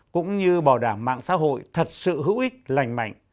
cũng như bảo đảm mạng xã hội thật sự hữu ích lành mạnh